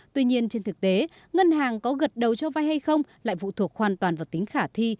tuy nhiên trên thực tế ngân hàng có gật đầu cho vay hay không lại vụ thuộc hoàn toàn vào tính khả thi